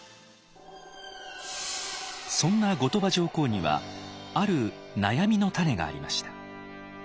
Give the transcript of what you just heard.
そんな後鳥羽上皇にはある悩みの種がありました。